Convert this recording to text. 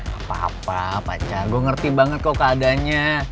gapapa pacar gue ngerti banget kok keadanya